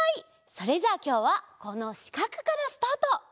それじゃあきょうはこのしかくからスタート。